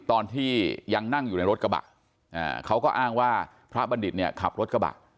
ตอนที่ยังนั่งอยู่ในรถกระบะเขาก็อ้างว่าพระบัณฑิตเนี่ยขับรถกระบะ